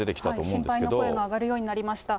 心配の声が上がるようになりました。